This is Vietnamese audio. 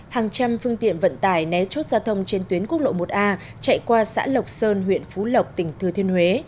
hàng trăm phương tiện vận tải né chốt giao thông trên tuyến quốc lộ một a chạy qua xã lộc sơn huyện phú lộc tỉnh thừa thiên huế